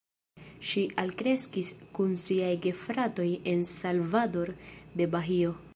Ŝi alkreskis kun siaj gefratoj en Salvador de Bahio.